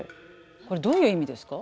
これどういう意味ですか？